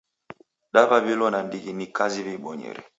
Daw'aw'ilo nandighi ni kazi w'iibonyere.